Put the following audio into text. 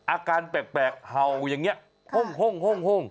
อาการแปลกเห่าอย่างนี้ห้ง